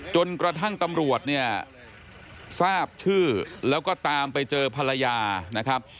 จนกระทั่งตำรวจเนี่ยทราบชื่อแล้วก็ตามไปเจอภรรยานะครับ